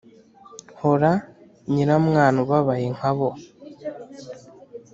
hora nyiramwana ubabaye nk'abo